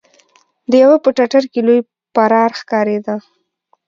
د يوه په ټټر کې لوی پرار ښکارېده.